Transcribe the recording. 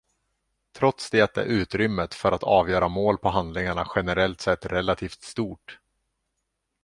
Trots det är utrymmet för att avgöra mål på handlingarna generellt sett relativt stort.